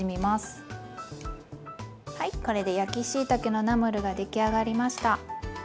はいこれで焼きしいたけのナムルが出来上がりました！